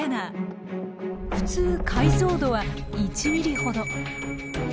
普通解像度は１ｍｍほど。